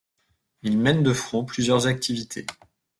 Il mène de front plusieurs activités.